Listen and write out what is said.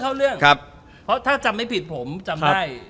ถ้าจำเปล่าไม่ผิดผมจำได้